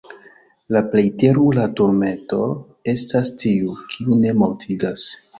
La plej terura turmento estas tiu, kiu ne mortigas!